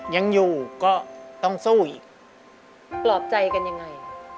ยังอยู่ก็ต้องสู้อีกปลอบใจกันยังไง